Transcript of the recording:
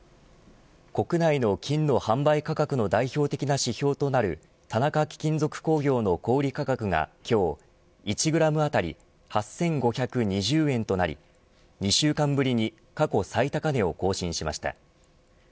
国内の金の販売価格の代表的な指標となる田中貴金属工業の小売価格が今日、１グラム当たり８５２０円となり２週間ぶりに過去最高値を更新しました。